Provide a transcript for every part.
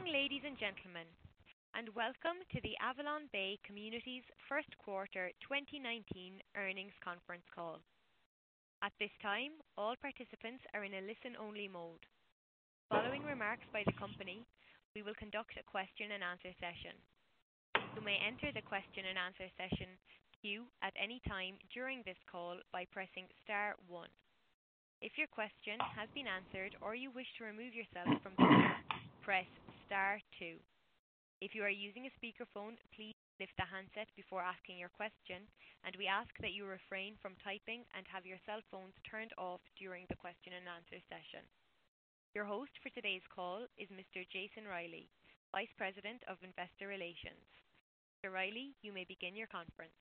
Good morning, ladies and gentlemen, and welcome to the AvalonBay Communities' first quarter 2019 earnings conference call. At this time, all participants are in a listen-only mode. Following remarks by the company, we will conduct a question and answer session. You may enter the question and answer session queue at any time during this call by pressing star one. If your question has been answered or you wish to remove yourself from the queue, press star two. If you are using a speakerphone, please lift the handset before asking your question, and we ask that you refrain from typing and have your cell phones turned off during the question and answer session. Your host for today's call is Mr. Jason Reilley, Vice President of Investor Relations. Mr. Reilley, you may begin your conference.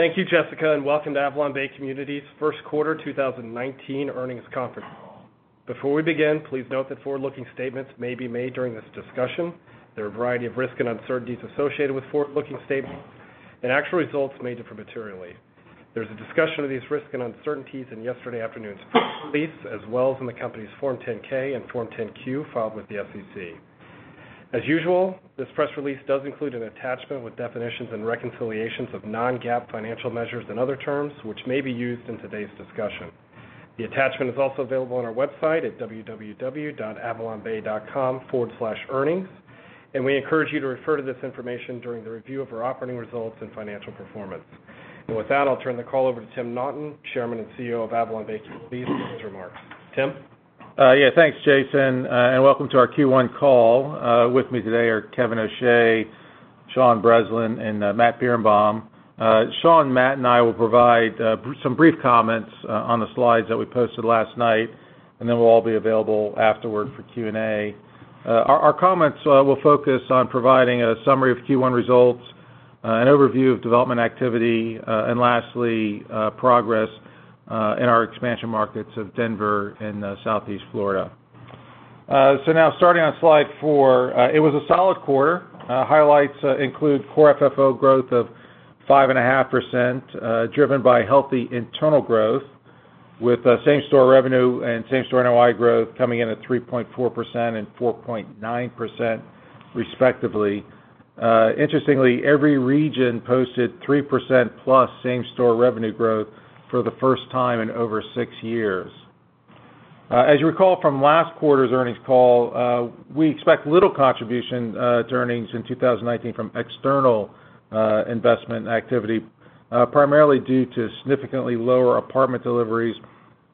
Thank you, Jessica, and welcome to AvalonBay Communities' first quarter 2019 earnings conference call. Before we begin, please note that forward-looking statements may be made during this discussion. There are a variety of risks and uncertainties associated with forward-looking statements, and actual results may differ materially. There's a discussion of these risks and uncertainties in yesterday afternoon's press release, as well as in the company's Form 10-K and Form 10-Q filed with the SEC. As usual, this press release does include an attachment with definitions and reconciliations of non-GAAP financial measures and other terms which may be used in today's discussion. The attachment is also available on our website at www.avalonbay.com/earnings, and we encourage you to refer to this information during the review of our operating results and financial performance. With that, I'll turn the call over to Timothy Naughton, Chairman and CEO of AvalonBay Communities, for his remarks. Tim? Yeah. Thanks, Jason. Welcome to our Q1 call. With me today are Kevin O'Shea, Sean Breslin, and Matthew Birenbaum. Sean, Matt, and I will provide some brief comments on the slides that we posted last night, and then we'll all be available afterward for Q&A. Our comments will focus on providing a summary of Q1 results, an overview of development activity, and lastly, progress in our expansion markets of Denver and Southeast Florida. Now starting on slide four, it was a solid quarter. Highlights include core FFO growth of 5.5%, driven by healthy internal growth with same store revenue and same store NOI growth coming in at 3.4% and 4.9% respectively. Interestingly, every region posted 3% plus same store revenue growth for the first time in over six years. As you recall from last quarter's earnings call, we expect little contribution to earnings in 2019 from external investment activity, primarily due to significantly lower apartment deliveries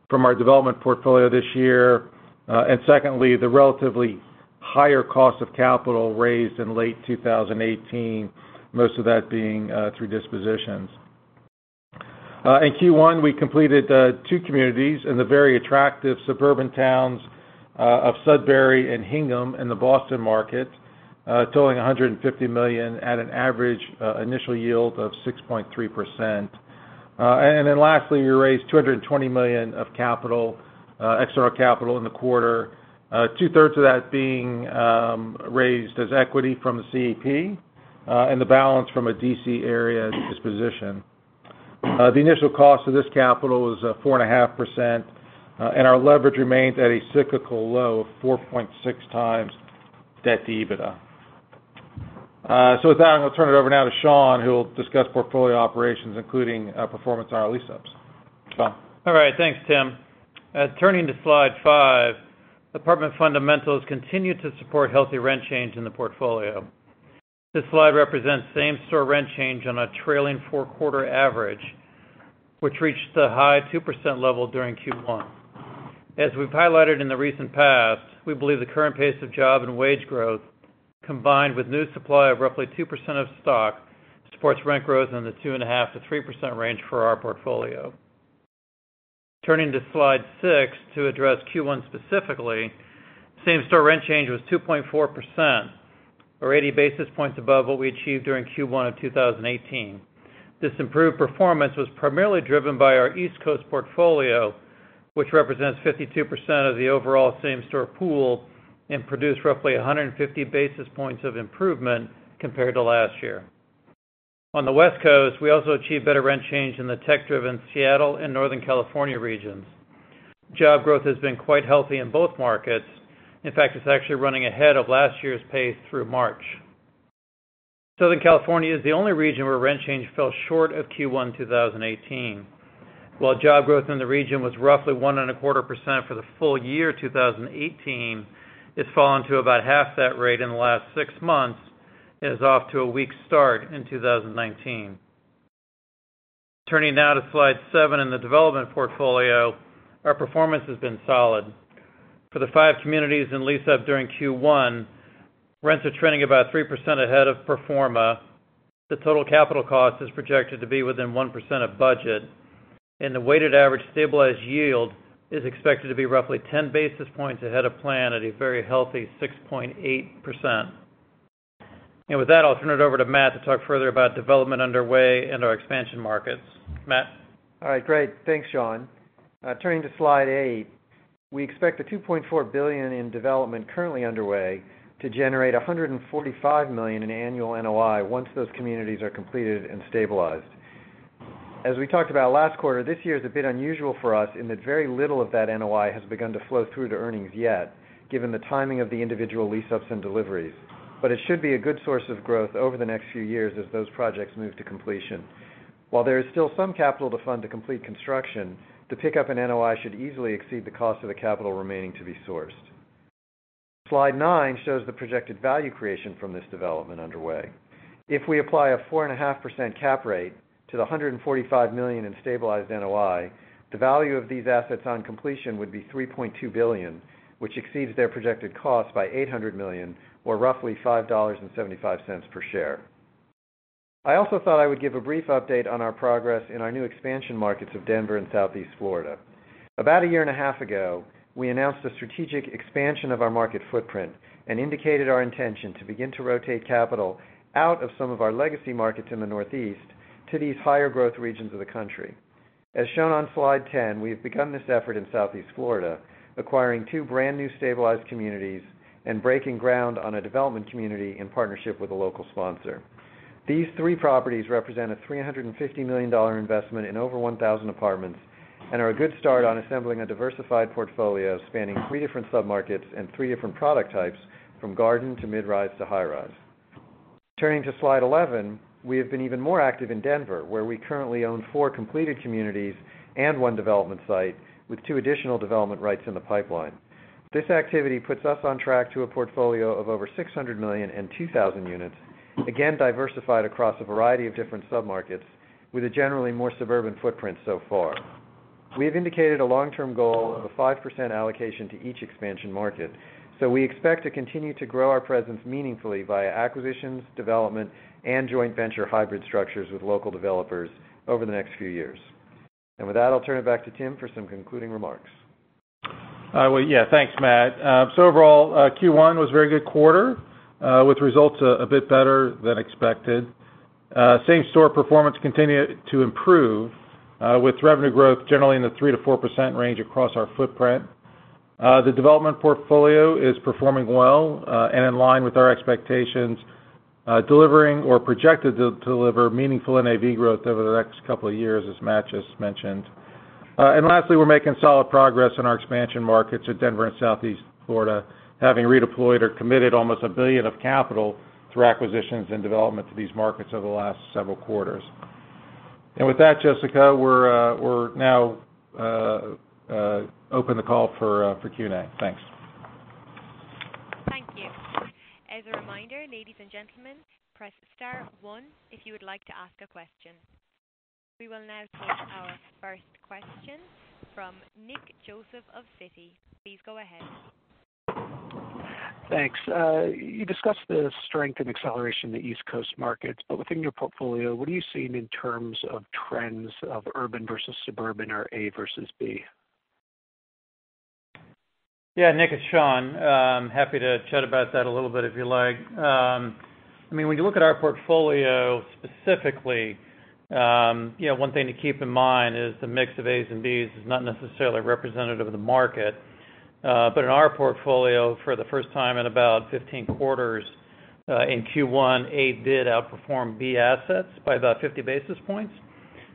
from our development portfolio this year. Secondly, the relatively higher cost of capital raised in late 2018, most of that being through dispositions. In Q1, we completed two communities in the very attractive suburban towns of Sudbury and Hingham in the Boston market, totaling $150 million at an average initial yield of 6.3%. Lastly, we raised $220 million of capital, external capital in the quarter, two-thirds of that being raised as equity from the CEP, and the balance from a D.C. area disposition. The initial cost of this capital was 4.5%, and our leverage remains at a cyclical low of 4.6 times debt to EBITDA. With that, I'm going to turn it over now to Sean, who will discuss portfolio operations, including performance on our lease-ups. Sean. All right. Thanks, Tim. Turning to slide five, apartment fundamentals continue to support healthy rent change in the portfolio. This slide represents same store rent change on a trailing four-quarter average, which reached the high 2% level during Q1. As we've highlighted in the recent past, we believe the current pace of job and wage growth, combined with new supply of roughly 2% of stock, supports rent growth in the 2.5%-3% range for our portfolio. Turning to slide six to address Q1 specifically, same store rent change was 2.4%, or 80 basis points above what we achieved during Q1 of 2018. This improved performance was primarily driven by our East Coast portfolio, which represents 52% of the overall same store pool and produced roughly 150 basis points of improvement compared to last year. On the West Coast, we also achieved better rent change in the tech-driven Seattle and Northern California regions. Job growth has been quite healthy in both markets. In fact, it's actually running ahead of last year's pace through March. Southern California is the only region where rent change fell short of Q1 2018. While job growth in the region was roughly 1.25% for the full year 2018, it's fallen to about half that rate in the last six months and is off to a weak start in 2019. Turning now to slide seven in the development portfolio, our performance has been solid. For the five communities in lease-up during Q1, rents are trending about 3% ahead of pro forma. The total capital cost is projected to be within 1% of budget, and the weighted average stabilized yield is expected to be roughly 10 basis points ahead of plan at a very healthy 6.8%. With that, I'll turn it over to Matt to talk further about development underway in our expansion markets. Matt. All right. Great. Thanks, Sean. Turning to slide eight, we expect the $2.4 billion in development currently underway to generate $145 million in annual NOI once those communities are completed and stabilized As we talked about last quarter, this year is a bit unusual for us in that very little of that NOI has begun to flow through to earnings yet, given the timing of the individual lease-ups and deliveries. It should be a good source of growth over the next few years as those projects move to completion. While there is still some capital to fund to complete construction, the pickup in NOI should easily exceed the cost of the capital remaining to be sourced. Slide nine shows the projected value creation from this development underway. If we apply a 4.5% cap rate to the $145 million in stabilized NOI, the value of these assets on completion would be $3.2 billion, which exceeds their projected cost by $800 million, or roughly $5.75 per share. I also thought I would give a brief update on our progress in our new expansion markets of Denver and Southeast Florida. About a year and a half ago, we announced a strategic expansion of our market footprint and indicated our intention to begin to rotate capital out of some of our legacy markets in the Northeast to these higher-growth regions of the country. As shown on slide 10, we've begun this effort in Southeast Florida, acquiring two brand-new stabilized communities and breaking ground on a development community in partnership with a local sponsor. These three properties represent a $350 million investment in over 1,000 apartments and are a good start on assembling a diversified portfolio spanning three different submarkets and three different product types, from garden to mid-rise to high-rise. Turning to slide 11, we have been even more active in Denver, where we currently own four completed communities and one development site, with two additional development rights in the pipeline. This activity puts us on track to a portfolio of over $600 million and 2,000 units, again, diversified across a variety of different submarkets with a generally more suburban footprint so far. We have indicated a long-term goal of a 5% allocation to each expansion market, we expect to continue to grow our presence meaningfully via acquisitions, development, and joint venture hybrid structures with local developers over the next few years. With that, I'll turn it back to Tim for some concluding remarks. Yeah. Thanks, Matt. Overall, Q1 was a very good quarter, with results a bit better than expected. Same-store performance continued to improve, with revenue growth generally in the 3%-4% range across our footprint. The development portfolio is performing well and in line with our expectations, delivering or projected to deliver meaningful NAV growth over the next couple of years, as Matt just mentioned. Lastly, we're making solid progress in our expansion markets at Denver and Southeast Florida, having redeployed or committed almost $1 billion of capital through acquisitions and development to these markets over the last several quarters. With that, Jessica, we're now open the call for Q&A. Thanks. Thank you. As a reminder, ladies and gentlemen, press star one if you would like to ask a question. We will now take our first question from Nick Joseph of Citi. Please go ahead. Thanks. You discussed the strength and acceleration in the East Coast markets, within your portfolio, what are you seeing in terms of trends of urban versus suburban or A versus B? Yeah, Nick, it's Sean. Happy to chat about that a little bit if you like. When you look at our portfolio specifically, one thing to keep in mind is the mix of As and Bs is not necessarily representative of the market. In our portfolio, for the first time in about 15 quarters, in Q1, A did outperform B assets by about 50 basis points.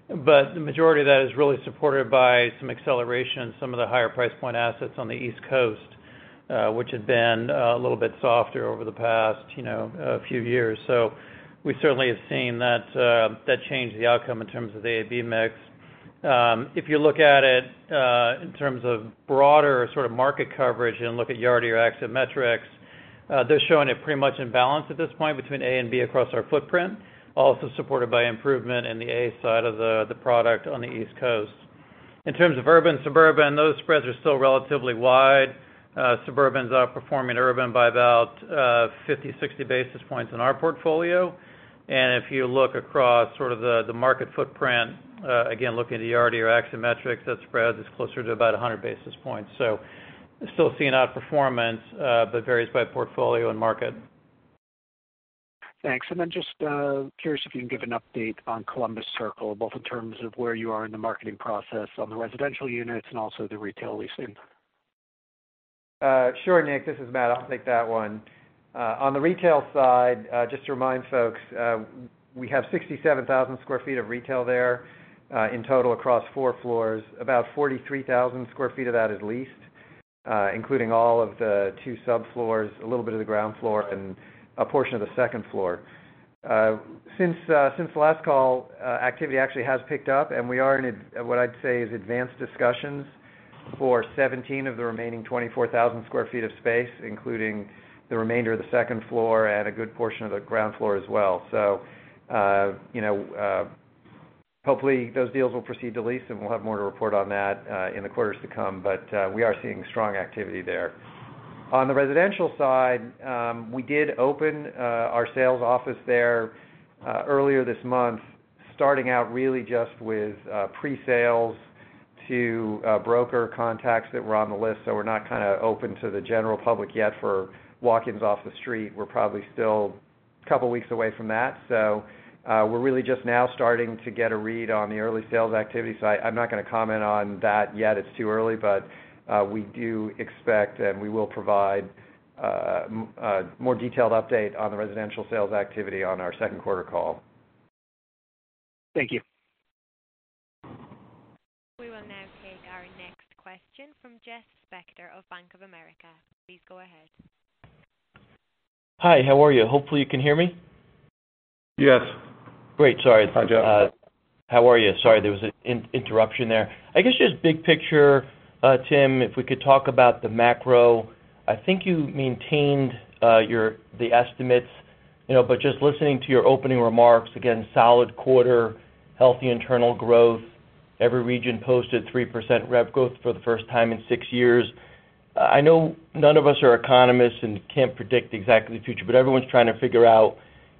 The majority of that is really supported by some acceleration in some of the higher price point assets on the East Coast, which had been a little bit softer over the past few years. We certainly have seen that change the outcome in terms of the A/B mix. If you look at it in terms of broader sort of market coverage and look at Yardi or Axiometrics, they're showing it pretty much in balance at this point between A and B across our footprint, also supported by improvement in the A side of the product on the East Coast. In terms of urban, suburban, those spreads are still relatively wide. Suburban's outperforming urban by about 50, 60 basis points in our portfolio. If you look across sort of the market footprint, again, looking at Yardi or Axiometrics, that spread is closer to about 100 basis points. Still seeing outperformance but varies by portfolio and market. Thanks. Just curious if you can give an update on Columbus Circle, both in terms of where you are in the marketing process on the residential units and also the retail leasing. Sure, Nick. This is Matt. I'll take that one. On the retail side, just to remind folks, we have 67,000 square feet of retail there in total across four floors. About 43,000 square feet of that is leased, including all of the two subfloors, a little bit of the ground floor, and a portion of the second floor. Since last call, activity actually has picked up, and we are in, what I'd say, is advanced discussions for 17 of the remaining 24,000 square feet of space, including the remainder of the second floor and a good portion of the ground floor as well. Hopefully, those deals will proceed to lease, and we'll have more to report on that in the quarters to come. We are seeing strong activity there. On the residential side, we did open our sales office there earlier this month, starting out really just with presales to broker contacts that were on the list. We're not kind of open to the general public yet for walk-ins off the street. We're probably still a couple of weeks away from that. We're really just now starting to get a read on the early sales activity. I'm not going to comment on that yet. It's too early, but we do expect, and we will provide a more detailed update on the residential sales activity on our second quarter call. Thank you. We will now take our next question from Jeffrey Spector of Bank of America. Please go ahead. Hi, how are you? Hopefully you can hear me. Yes. Great. Sorry. Hi, Jeff. How are you? Sorry, there was an interruption there. I guess just big picture, Tim, if we could talk about the macro. I think you maintained the estimates, but just listening to your opening remarks, again, solid quarter, healthy internal growth. Every region posted 3% rev growth for the first time in six years. I know none of us are economists and can't predict exactly the future, but everyone's trying to figure out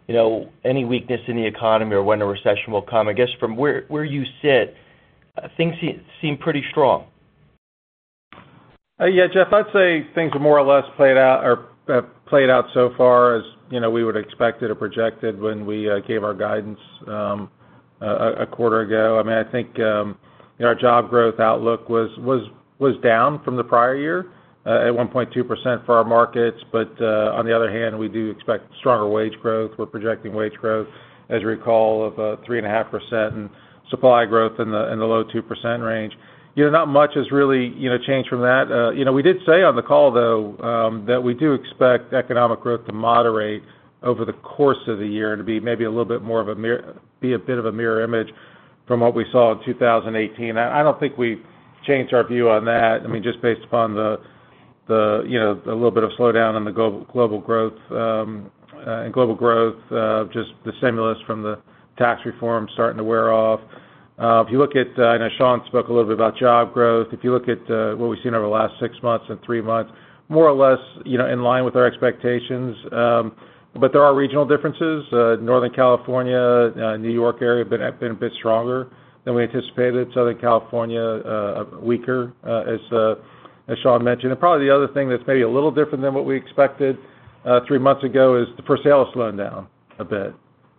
any weakness in the economy or when a recession will come. I guess from where you sit, things seem pretty strong. Yeah, Jeff, I'd say things are more or less played out so far as we would expected or projected when we gave our guidance a quarter ago. I think our job growth outlook was down from the prior year at 1.2% for our markets. On the other hand, we do expect stronger wage growth. We're projecting wage growth, as you recall, of 3.5% and supply growth in the low 2% range. Not much has really changed from that. We did say on the call, though, that we do expect economic growth to moderate over the course of the year and to be a bit of a mirror image from what we saw in 2018. I don't think we've changed our view on that. Just based upon the little bit of slowdown in the global growth, just the stimulus from the tax reform starting to wear off. I know Sean spoke a little bit about job growth. If you look at what we've seen over the last six months and three months, more or less in line with our expectations. There are regional differences. Northern California, New York area have been a bit stronger than we anticipated. Southern California, weaker, as Sean mentioned. Probably the other thing that's maybe a little different than what we expected three months ago is the for-sale has slowed down a bit,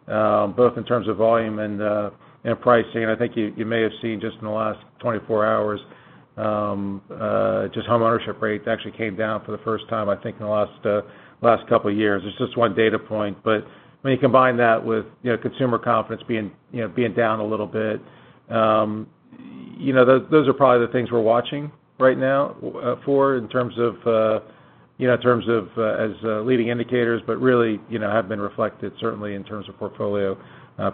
both in terms of volume and pricing. I think you may have seen just in the last 24 hours, just homeownership rates actually came down for the first time, I think, in the last couple of years. It's just one data point. When you combine that with consumer confidence being down a little bit, those are probably the things we're watching right now for in terms of as leading indicators, but really have been reflected, certainly, in terms of portfolio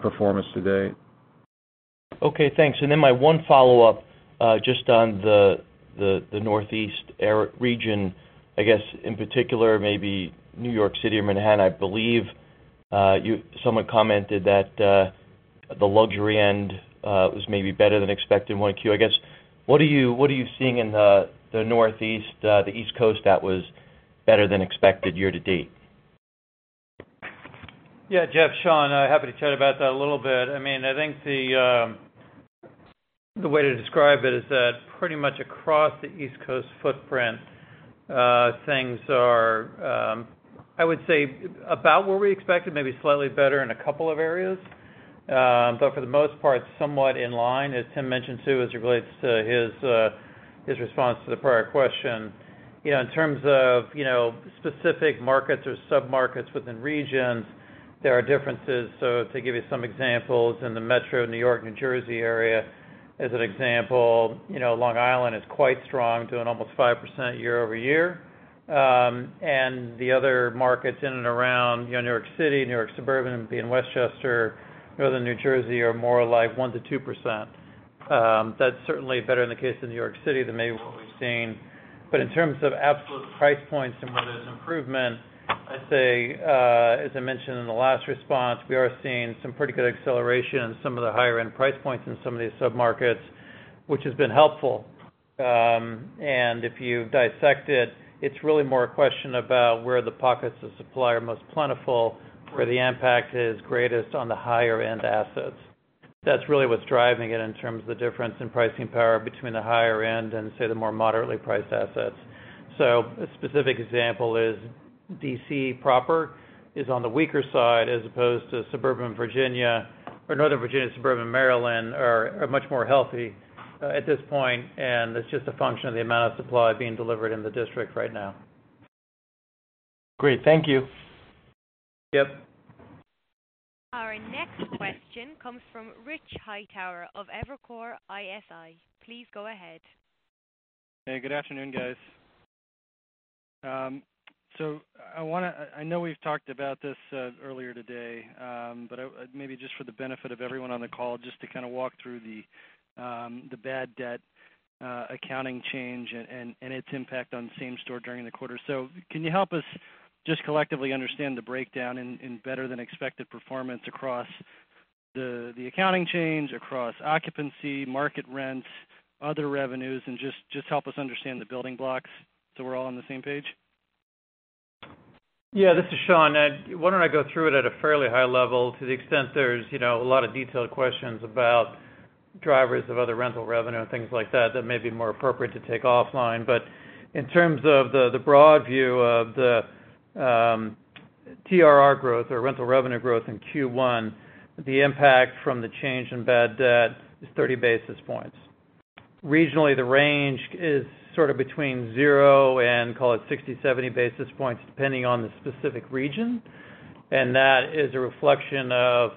performance to date. Okay, thanks. My one follow-up, just on the Northeast region, I guess in particular, maybe New York City or Manhattan, I believe someone commented that the luxury end was maybe better than expected in 1Q. I guess, what are you seeing in the Northeast, the East Coast that was better than expected year-to-date? Yeah, Jeff, Sean, happy to chat about that a little bit. I think the way to describe it is that pretty much across the East Coast footprint, things are, I would say, about what we expected, maybe slightly better in a couple of areas. For the most part, somewhat in line, as Tim mentioned, too, as it relates to his response to the prior question. In terms of specific markets or sub-markets within regions, there are differences. To give you some examples, in the metro New York-New Jersey area, as an example, Long Island is quite strong, doing almost 5% year-over-year. The other markets in and around New York City, New York suburban, be in Westchester, Northern New Jersey, are more like 1%-2%. That's certainly better in the case of New York City than maybe what we've seen. In terms of absolute price points and where there's improvement, I'd say, as I mentioned in the last response, we are seeing some pretty good acceleration in some of the higher-end price points in some of these sub-markets, which has been helpful. If you dissect it's really more a question about where the pockets of supply are most plentiful, where the impact is greatest on the higher-end assets. That's really what's driving it in terms of the difference in pricing power between the higher end and, say, the more moderately priced assets. A specific example is D.C. proper is on the weaker side as opposed to suburban Virginia or Northern Virginia, suburban Maryland are much more healthy at this point, and it's just a function of the amount of supply being delivered in the District right now. Great. Thank you. Yep. Our next question comes from Richard Hightower of Evercore ISI. Please go ahead. Hey, good afternoon, guys. I know we've talked about this earlier today, but maybe just for the benefit of everyone on the call, just to kind of walk through the bad debt accounting change and its impact on same store during the quarter. Can you help us just collectively understand the breakdown in better-than-expected performance across the accounting change, across occupancy, market rent, other revenues, and just help us understand the building blocks so we're all on the same page? Yeah, this is Sean. Why don't I go through it at a fairly high level to the extent there's a lot of detailed questions about drivers of other rental revenue and things like that that may be more appropriate to take offline. In terms of the broad view of the TRR growth or rental revenue growth in Q1, the impact from the change in bad debt is 30 basis points. Regionally, the range is sort of between zero and, call it 60, 70 basis points, depending on the specific region. That is a reflection of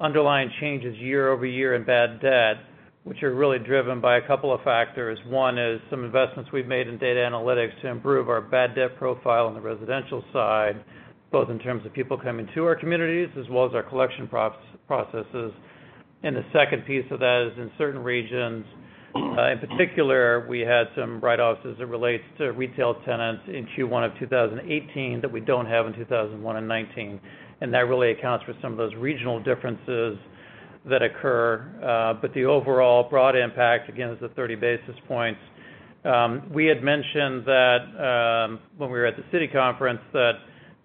underlying changes year-over-year in bad debt, which are really driven by a couple of factors. One is some investments we've made in data analytics to improve our bad debt profile on the residential side, both in terms of people coming to our communities as well as our collection processes. The second piece of that is in certain regions, in particular, we had some write-offs as it relates to retail tenants in Q1 2018 that we don't have in 2001 and 2019, and that really accounts for some of those regional differences that occur. The overall broad impact, again, is the 30 basis points. We had mentioned that, when we were at the Citi conference, that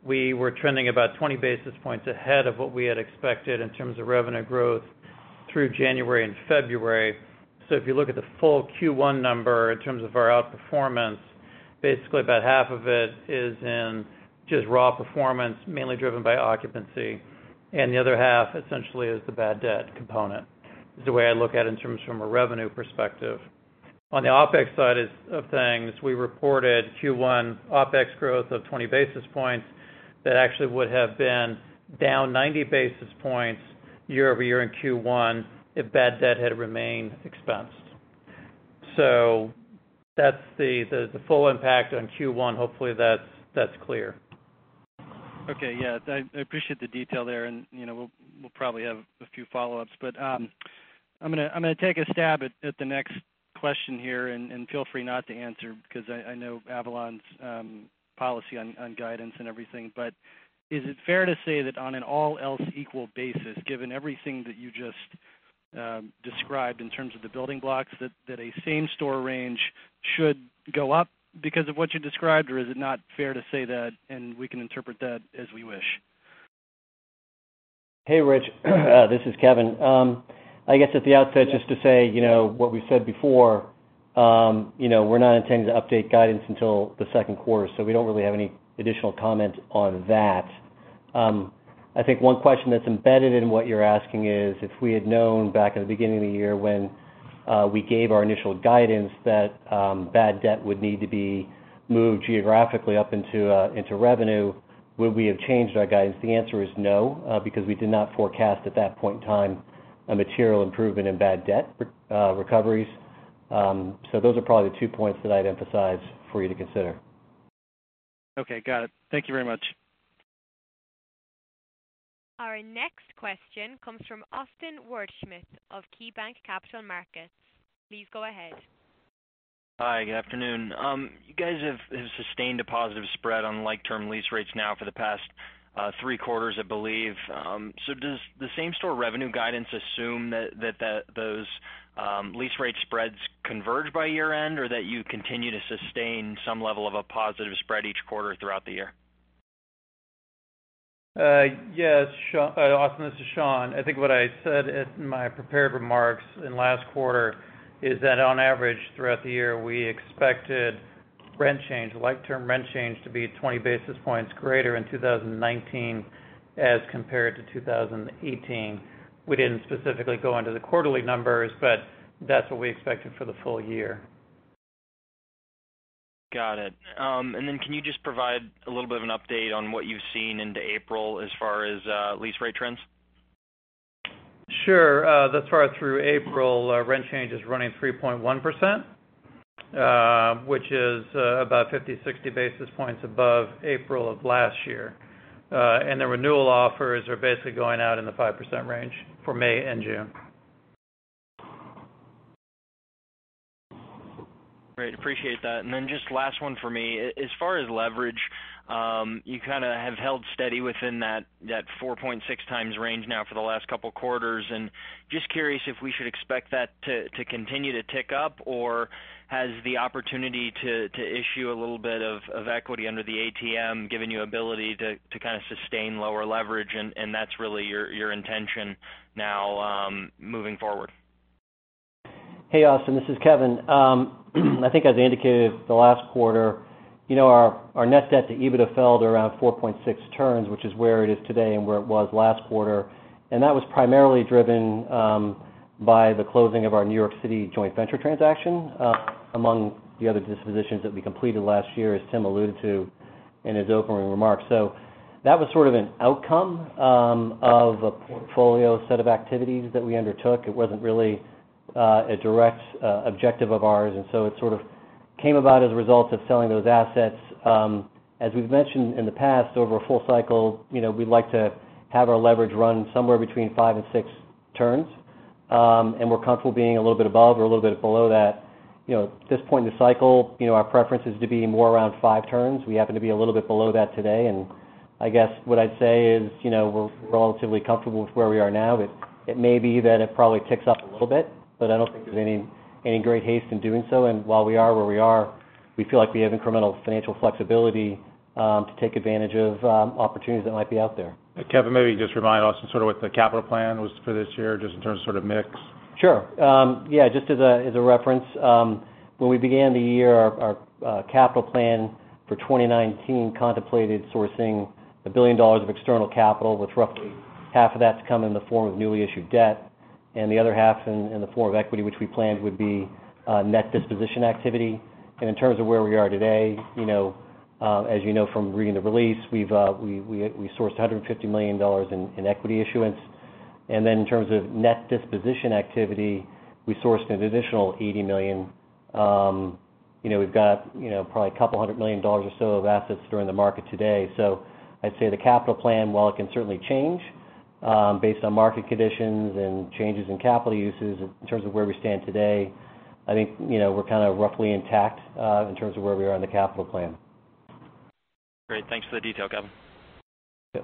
we were trending about 20 basis points ahead of what we had expected in terms of revenue growth through January and February. If you look at the full Q1 number in terms of our outperformance, basically about half of it is in just raw performance, mainly driven by occupancy, and the other half essentially is the bad debt component, is the way I look at in terms from a revenue perspective. On the OpEx side of things, we reported Q1 OpEx growth of 20 basis points that actually would have been down 90 basis points year-over-year in Q1 if bad debt had remained expensed. That's the full impact on Q1. Hopefully, that's clear. Okay. Yeah. I appreciate the detail there, we'll probably have a few follow-ups. I'm going to take a stab at the next question here, and feel free not to answer, because I know Avalon's policy on guidance and everything. Is it fair to say that on an all else equal basis, given everything that you just described in terms of the building blocks, that a same-store range should go up because of what you described, or is it not fair to say that, and we can interpret that as we wish? Hey, Rich. This is Kevin. I guess at the outset, just to say, what we said before. We're not intending to update guidance until the second quarter, we don't really have any additional comment on that. I think one question that's embedded in what you're asking is, if we had known back in the beginning of the year when we gave our initial guidance that bad debt would need to be moved geographically up into revenue, would we have changed our guidance? The answer is no, because we did not forecast at that point in time a material improvement in bad debt recoveries. Those are probably the two points that I'd emphasize for you to consider. Okay, got it. Thank you very much. Our next question comes from Austin Wurschmidt of KeyBanc Capital Markets. Please go ahead. Hi, good afternoon. You guys have sustained a positive spread on like-term lease rates now for the past three quarters, I believe. Does the same-store revenue guidance assume that those lease rate spreads converge by year-end, or that you continue to sustain some level of a positive spread each quarter throughout the year? Yes. Austin, this is Sean. I think what I said in my prepared remarks in last quarter is that on average, throughout the year, we expected rent change, like-term rent change, to be 20 basis points greater in 2019 as compared to 2018. We didn't specifically go into the quarterly numbers, but that's what we expected for the full year. Got it. Can you just provide a little bit of an update on what you've seen into April as far as lease rate trends? Sure. Thus far through April, rent change is running 3.1%, which is about 50 to 60 basis points above April of last year. The renewal offers are basically going out in the 5% range for May and June. Great, appreciate that. Just last one for me. As far as leverage, you kind of have held steady within that 4.6 times range now for the last couple of quarters. Just curious if we should expect that to continue to tick up, or has the opportunity to issue a little bit of equity under the ATM given you ability to kind of sustain lower leverage and that's really your intention now moving forward? Hey, Austin, this is Kevin. I think as I indicated the last quarter, our net debt to EBITDA fell to around 4.6 turns, which is where it is today and where it was last quarter. That was primarily driven by the closing of our New York City joint venture transaction among the other dispositions that we completed last year, as Tim alluded to in his opening remarks. That was sort of an outcome of a portfolio set of activities that we undertook. It wasn't really a direct objective of ours, it sort of came about as a result of selling those assets. As we've mentioned in the past, over a full cycle, we'd like to have our leverage run somewhere between five and six turns. We're comfortable being a little bit above or a little bit below that. At this point in the cycle, our preference is to be more around five turns. We happen to be a little bit below that today. I guess what I'd say is, we're relatively comfortable with where we are now. It may be that it probably ticks up a little bit. I don't think there's any great haste in doing so. While we are where we are, we feel like we have incremental financial flexibility to take advantage of opportunities that might be out there. Kevin, maybe just remind Austin sort of what the capital plan was for this year, just in terms of sort of mix. Sure. Yeah, just as a reference, when we began the year, our capital plan for 2019 contemplated sourcing $1 billion of external capital, with roughly half of that to come in the form of newly issued debt. The other half in the form of equity, which we planned would be net disposition activity. In terms of where we are today, as you know from reading the release, we sourced $150 million in equity issuance. Then in terms of net disposition activity, we sourced an additional $80 million. We've got probably a couple hundred million dollars or so of assets that are in the market today. I'd say the capital plan, while it can certainly change based on market conditions and changes in capital uses, in terms of where we stand today, I think we're kind of roughly intact in terms of where we are in the capital plan. Great. Thanks for the detail, Kevin. Yeah.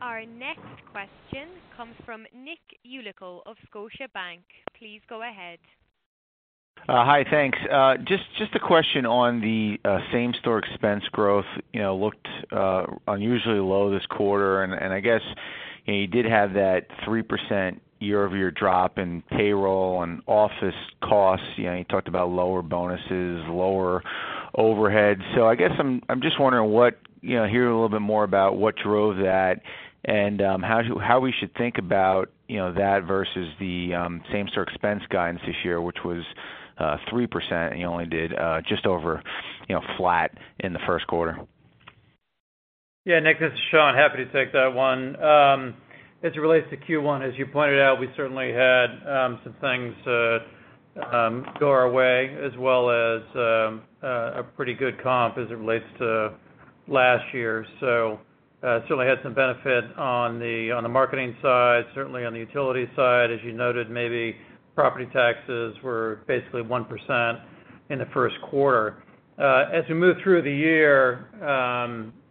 Our next question comes from Nicholas Yulico of Scotiabank. Please go ahead. Hi, thanks. Just a question on the same-store expense growth, looked unusually low this quarter, I guess, you did have that 3% year-over-year drop in payroll and office costs. You talked about lower bonuses, lower overhead. I guess I'm just wondering, hear a little bit more about what drove that and how we should think about that versus the same-store expense guidance this year, which was 3%, and you only did just over flat in the first quarter. Yeah, Nick, this is Sean. Happy to take that one. As it relates to Q1, as you pointed out, we certainly had some things go our way as well as a pretty good comp as it relates to last year. Certainly had some benefit on the marketing side, certainly on the utility side, as you noted, maybe property taxes were basically 1% in the first quarter. As we move through the year,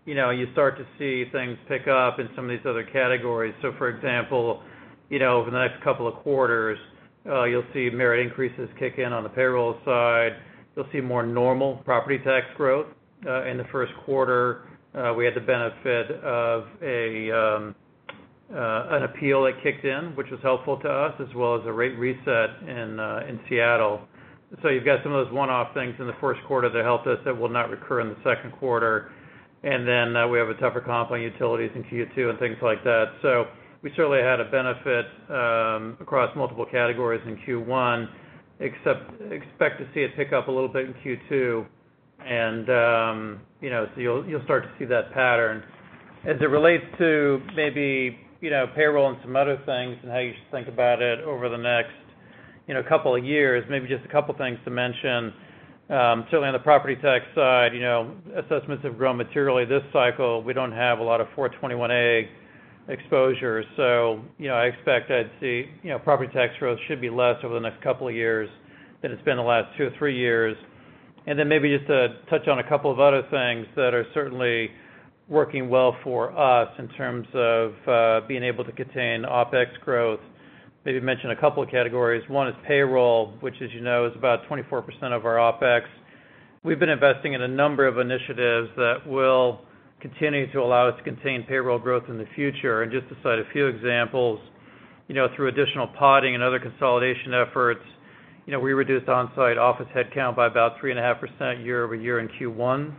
you start to see things pick up in some of these other categories. For example, over the next couple of quarters, you'll see merit increases kick in on the payroll side. You'll see more normal property tax growth. In the first quarter, we had the benefit of an appeal that kicked in, which was helpful to us, as well as a rate reset in Seattle. You've got some of those one-off things in the first quarter that helped us that will not recur in the second quarter. We have a tougher comp on utilities in Q2 and things like that. We certainly had a benefit across multiple categories in Q1, except expect to see it pick up a little bit in Q2, you'll start to see that pattern. As it relates to maybe payroll and some other things and how you should think about it over the next couple of years, maybe just a couple of things to mention. Certainly on the property tax side, assessments have grown materially this cycle. We don't have a lot of 421-a exposure. I expect I'd see property tax growth should be less over the next couple of years than it's been the last two or three years. Maybe just to touch on a couple of other things that are certainly working well for us in terms of being able to contain OpEx growth. Maybe mention a couple of categories. One is payroll, which as you know, is about 24% of our OpEx. We've been investing in a number of initiatives that will continue to allow us to contain payroll growth in the future, and just to cite a few examples, through additional podding and other consolidation efforts, we reduced on-site office headcount by about 3.5% year-over-year in Q1.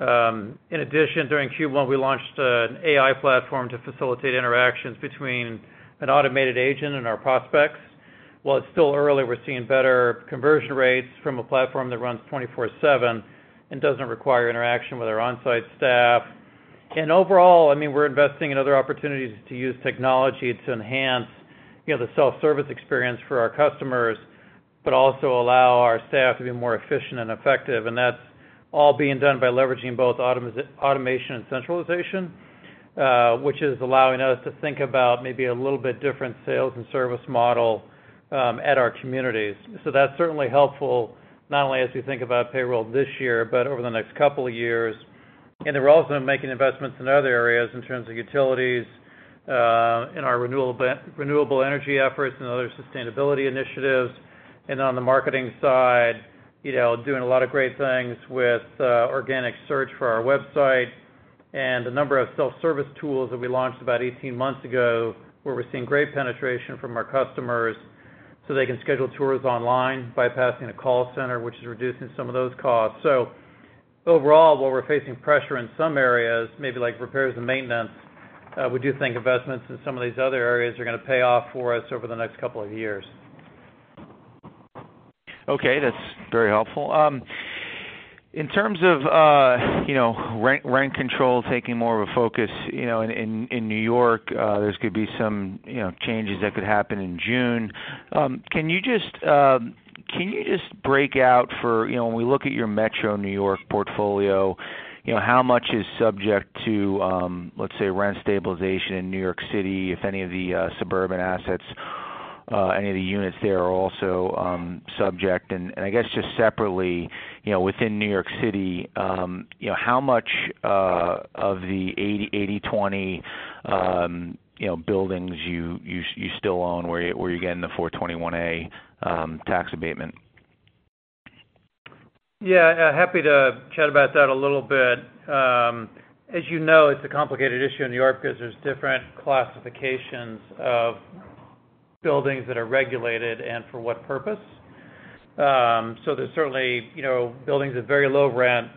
In addition, during Q1, we launched an AI platform to facilitate interactions between an automated agent and our prospects. While it's still early, we're seeing better conversion rates from a platform that runs 24/7 and doesn't require interaction with our on-site staff. Overall, we're investing in other opportunities to use technology to enhance the self-service experience for our customers, but also allow our staff to be more efficient and effective. That's all being done by leveraging both automation and centralization, which is allowing us to think about maybe a little bit different sales and service model at our communities. That's certainly helpful, not only as we think about payroll this year, but over the next couple of years. We're also making investments in other areas in terms of utilities, in our renewable energy efforts and other sustainability initiatives. On the marketing side, doing a lot of great things with organic search for our website and a number of self-service tools that we launched about 18 months ago, where we're seeing great penetration from our customers so they can schedule tours online, bypassing the call center, which is reducing some of those costs. Overall, while we're facing pressure in some areas, maybe like repairs and maintenance, we do think investments in some of these other areas are going to pay off for us over the next couple of years. Okay. That's very helpful. In terms of rent control taking more of a focus in New York, there's going to be some changes that could happen in June. Can you just break out for when we look at your metro New York portfolio, how much is subject to, let's say, rent stabilization in New York City, if any of the suburban assets, any of the units there are also subject, and I guess just separately, within New York City, how much of the 80/20 buildings you still own where you're getting the 421-a tax abatement? Yeah. Happy to chat about that a little bit. As you know, it's a complicated issue in New York because there's different classifications of buildings that are regulated and for what purpose. There's certainly buildings at very low rent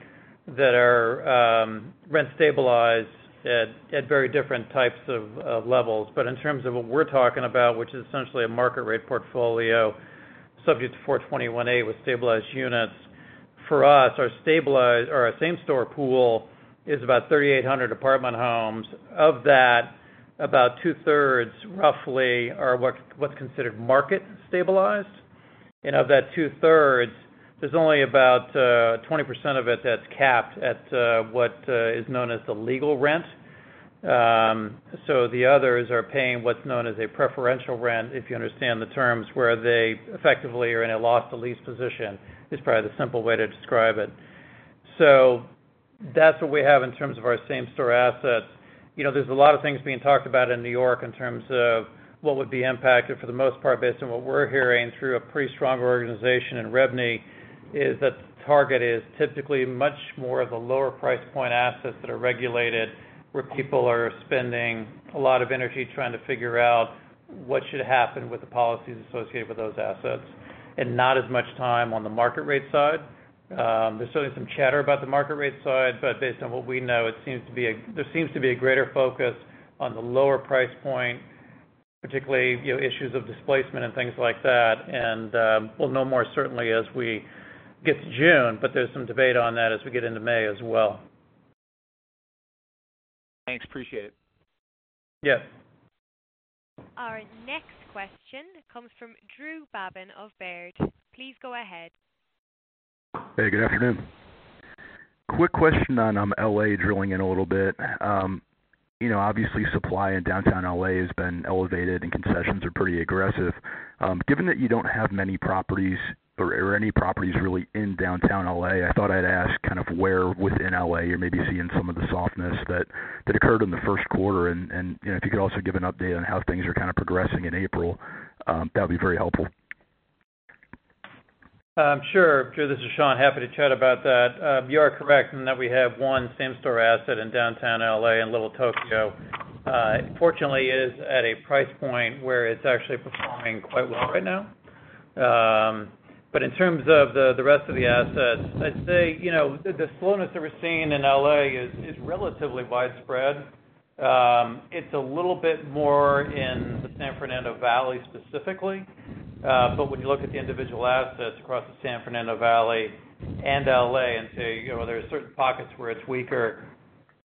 that are rent-stabilized at very different types of levels. In terms of what we're talking about, which is essentially a market-rate portfolio, subject to 421-a with stabilized units, for us, our same-store pool is about 3,800 apartment homes. Of that, about two-thirds, roughly, are what's considered market-stabilized. Of that two-thirds, there's only about 20% of it that's capped at what is known as the legal rent. The others are paying what's known as a preferential rent, if you understand the terms, where they effectively are in a loss-to-lease position, is probably the simple way to describe it. That's what we have in terms of our same-store assets. There's a lot of things being talked about in New York in terms of what would be impacted, for the most part, based on what we're hearing through a pretty strong organization in REBNY, is that the target is typically much more of the lower price point assets that are regulated, where people are spending a lot of energy trying to figure out what should happen with the policies associated with those assets, and not as much time on the market-rate side. There's certainly some chatter about the market-rate side, but based on what we know, there seems to be a greater focus on the lower price point, particularly, issues of displacement and things like that. We'll know more certainly as we get to June, but there's some debate on that as we get into May as well. Thanks. Appreciate it. Yes. Our next question comes from Drew Babin of Baird. Please go ahead. Hey, good afternoon. Quick question on L.A., drilling in a little bit. Obviously, supply in downtown L.A. has been elevated and concessions are pretty aggressive. Given that you don't have many properties or any properties really in downtown L.A., I thought I'd ask kind of where within L.A. you're maybe seeing some of the softness that occurred in the first quarter and, if you could also give an update on how things are kind of progressing in April, that'd be very helpful. Sure, Drew, this is Sean. Happy to chat about that. You are correct in that we have one same-store asset in downtown L.A. in Little Tokyo. It fortunately is at a price point where it's actually performing quite well right now. In terms of the rest of the assets, I'd say, the slowness that we're seeing in L.A. is relatively widespread. It's a little bit more in the San Fernando Valley specifically. When you look at the individual assets across the San Fernando Valley and L.A. and say, there are certain pockets where it's weaker,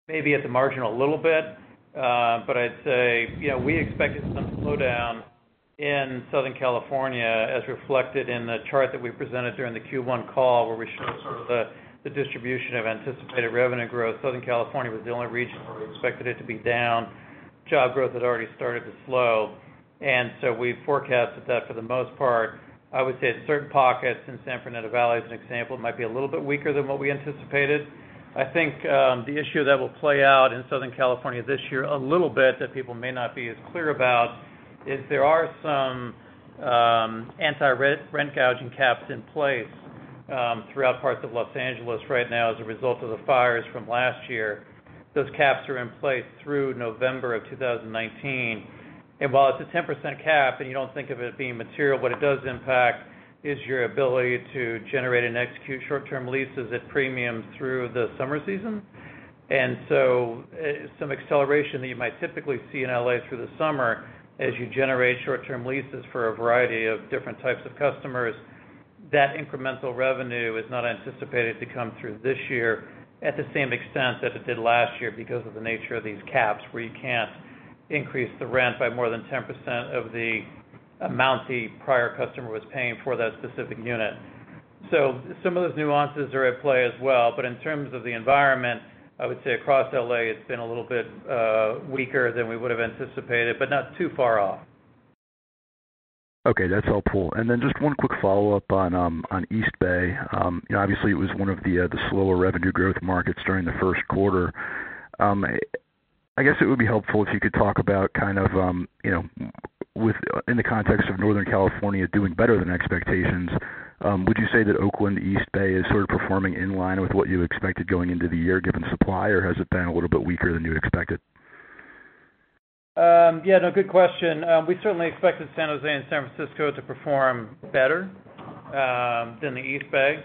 maybe at the margin a little bit. I'd say, we expected some slowdown in Southern California as reflected in the chart that we presented during the Q1 call, where we showed sort of the distribution of anticipated revenue growth. Southern California was the only region where we expected it to be down. Job growth had already started to slow. We forecasted that for the most part. I would say at certain pockets in San Fernando Valley, as an example, it might be a little bit weaker than what we anticipated. I think, the issue that will play out in Southern California this year a little bit that people may not be as clear about is there are some anti-rent gouging caps in place, throughout parts of Los Angeles right now as a result of the fires from last year. Those caps are in place through November of 2019. While it's a 10% cap and you don't think of it being material, what it does impact is your ability to generate and execute short-term leases at premium through the summer season. Some acceleration that you might typically see in L.A. through the summer as you generate short-term leases for a variety of different types of customers, that incremental revenue is not anticipated to come through this year at the same extent that it did last year because of the nature of these caps, where you can't increase the rent by more than 10% of the amount the prior customer was paying for that specific unit. Some of those nuances are at play as well. In terms of the environment, I would say across L.A., it's been a little bit weaker than we would've anticipated, but not too far off. Okay. That's helpful. Just one quick follow-up on East Bay. Obviously, it was one of the slower revenue growth markets during the first quarter. I guess it would be helpful if you could talk about kind of, in the context of Northern California doing better than expectations, would you say that Oakland East Bay is sort of performing in line with what you expected going into the year, given supply? Or has it been a little bit weaker than you had expected? Yeah. No, good question. We certainly expected San Jose and San Francisco to perform better than the East Bay.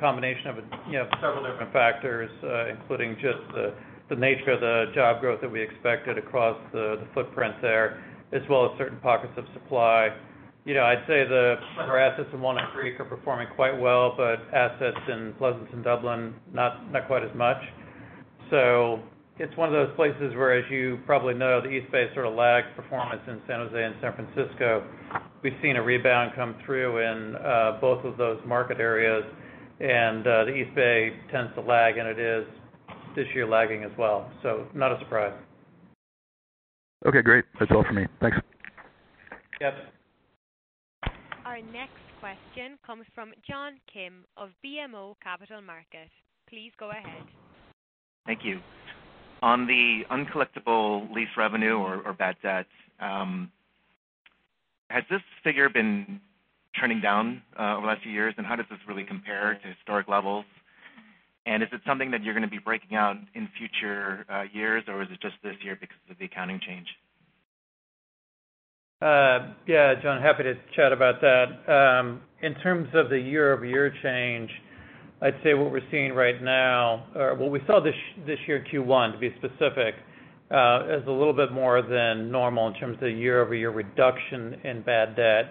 Combination of several different factors, including just the nature of the job growth that we expected across the footprint there, as well as certain pockets of supply. I'd say the assets in 103 are performing quite well, but assets in Pleasanton Dublin, not quite as much. It's one of those places where, as you probably know, the East Bay sort of lags performance in San Jose and San Francisco. We've seen a rebound come through in both of those market areas, and the East Bay tends to lag, and it is this year lagging as well. Not a surprise. Okay, great. That's all for me. Thanks. Yes. Our next question comes from John Kim of BMO Capital Markets. Please go ahead. Thank you. On the uncollectible lease revenue or bad debts, has this figure been trending down over the last few years, how does this really compare to historic levels? Is it something that you're going to be breaking out in future years, or is it just this year because of the accounting change? John, happy to chat about that. In terms of the year-over-year change, I'd say what we're seeing right now, or what we saw this year, Q1, to be specific, is a little bit more than normal in terms of the year-over-year reduction in bad debt,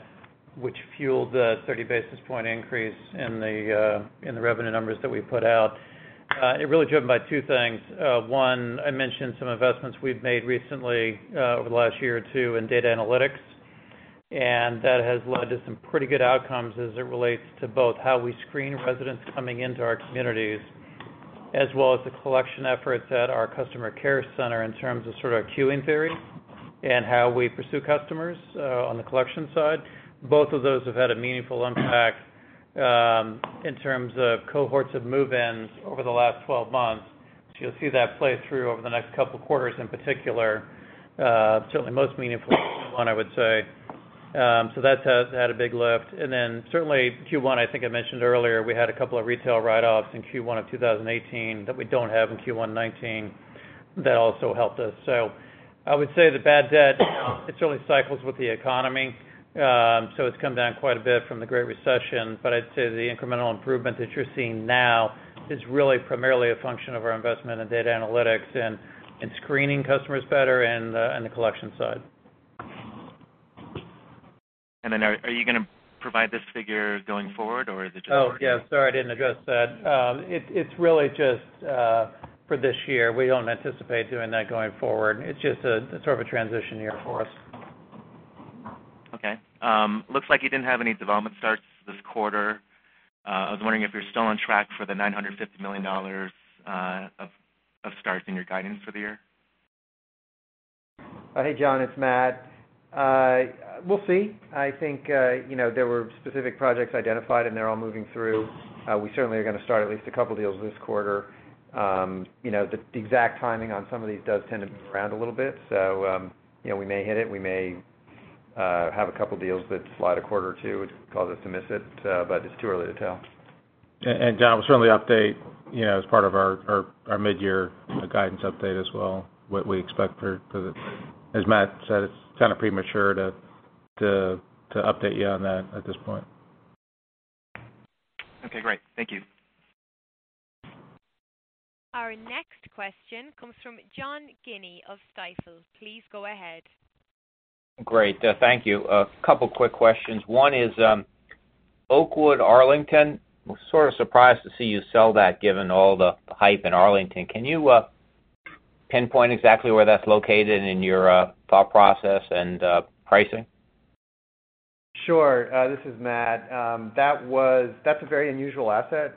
which fueled the 30 basis points increase in the revenue numbers that we put out. It's really driven by two things. One, I mentioned some investments we've made recently, over the last year or two, in data analytics, and that has led to some pretty good outcomes as it relates to both how we screen residents coming into our communities, as well as the collection efforts at our customer care center in terms of sort of our queuing theory and how we pursue customers on the collection side. Both of those have had a meaningful impact in terms of cohorts of move-ins over the last 12 months. You'll see that play through over the next couple of quarters in particular. Certainly most meaningfully in Q1, I would say. That's had a big lift. Certainly Q1, I think I mentioned earlier, we had a couple of retail write-offs in Q1 of 2018 that we don't have in Q1 2019. That also helped us. I would say the bad debt, it certainly cycles with the economy. It's come down quite a bit from the Great Recession, but I'd say the incremental improvement that you're seeing now is really primarily a function of our investment in data analytics and screening customers better and the collection side. Are you going to provide this figure going forward, or is it just for- Oh, yeah, sorry, I didn't address that. It's really just for this year. We don't anticipate doing that going forward. It's just a sort of a transition year for us. Okay. Looks like you didn't have any development starts this quarter. I was wondering if you're still on track for the $950 million of starts in your guidance for the year. Hey, John, it's Matt. We'll see. I think there were specific projects identified, and they're all moving through. We certainly are going to start at least a couple of deals this quarter. The exact timing on some of these does tend to move around a little bit. We may hit it, we may have a couple of deals that slide a quarter or two, which cause us to miss it, but it's too early to tell. John, we'll certainly update as part of our mid-year guidance update as well. As Matt said, it's kind of premature to update you on that at this point. Okay, great. Thank you. Our next question comes from John Guinee of Stifel. Please go ahead. Great. Thank you. A couple quick questions. One is, Oakwood Arlington, sort of surprised to see you sell that given all the hype in Arlington. Can you pinpoint exactly where that's located in your thought process and pricing? Sure. This is Matt. That's a very unusual asset